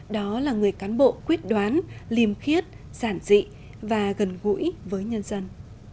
đó là người cán bộ quyết đoán liêm khiết giản dị và gần gũi với nhân dân